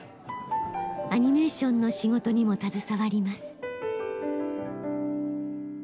アニメーションの仕事にも携わります。